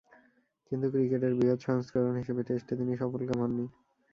কিন্তু ক্রিকেটের বৃহৎ সংস্করণ হিসেবে টেস্টে তিনি সফলকাম হননি।